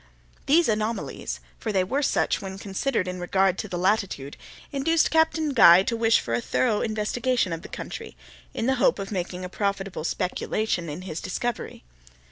These anomalies—for they were such when considered in regard to the latitude—induced Captain Guy to wish for a thorough investigation of the country, in the hope of making a profitable speculation in his discovery.